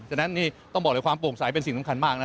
ฉะนั้นนี่ต้องบอกเลยความโปร่งใสเป็นสิ่งสำคัญมากนะ